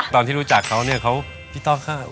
ตอนที่รู้จักเขาเนี่ยเขาพี่ต้อข้าว